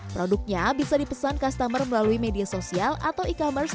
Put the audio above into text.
produknya bisa dipesan customer melalui media sosial atau e commerce